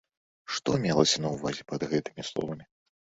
Што мелася на ўвазе пад гэтымі словамі?